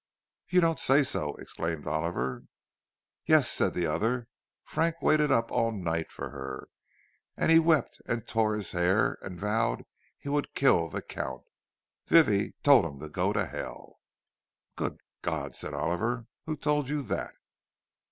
"You don't say so!" exclaimed Oliver. "Yes," said the other. "Frank waited up all night for her, and he wept and tore his hair and vowed he would kill the Count. Vivie told him to go to hell." "Good God!" said Oliver. "Who told you that?"